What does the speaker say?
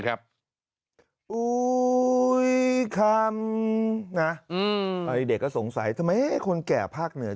ครับอุ้ยคำนะอืมไอ้เด็กก็สงสัยทำไมคนแก่ภาคเนื้อ